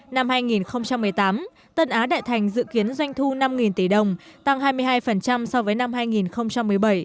năm hai nghìn một mươi tám tân á đại thành dự kiến doanh thu năm tỷ đồng tăng hai mươi hai so với năm hai nghìn một mươi bảy